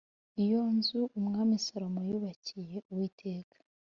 Iyo nzu Umwami Salomo yubakiye Uwiteka